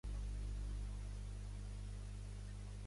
Rothmans ha estat demandat diverses vegades al Canadà.